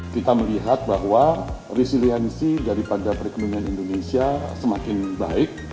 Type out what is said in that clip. kita melihat bahwa resiliensi daripada perekonomian indonesia semakin baik